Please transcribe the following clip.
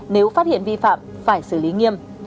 nếu phát hiện vi phạm phải xử lý nghiêm